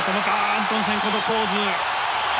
アントンセン、このポーズ。